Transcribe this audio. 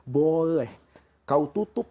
boleh kau tutup